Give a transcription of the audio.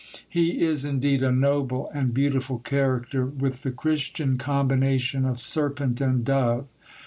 He is indeed a noble and beautiful character, with the Christian combination of serpent and dove.